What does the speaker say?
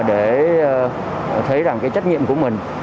để thấy rằng cái trách nhiệm của mình